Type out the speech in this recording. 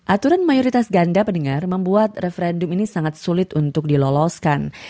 aturan mayoritas ganda pendengar membuat referendum ini sangat sulit untuk diloloskan